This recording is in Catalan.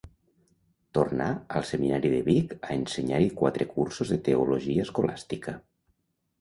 Tornà al Seminari de Vic a ensenyar-hi quatre cursos de teologia escolàstica.